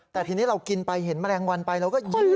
แต่ทีนี้เรากินไปเห็นแมลงวันไปเราก็ยื้อ